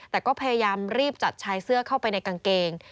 แต่ก็พยายามรีบจัดชายเสื้อเข้าไปในกางเกง